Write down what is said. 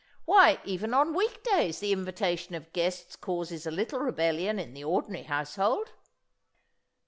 Why even on week days the invitation of guests causes a little rebellion in the ordinary household!"